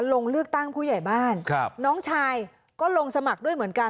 ลงเลือกตั้งผู้ใหญ่บ้านครับน้องชายก็ลงสมัครด้วยเหมือนกัน